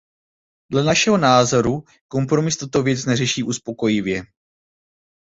Dle našeho názoru kompromis tuto věc neřeší uspokojivě.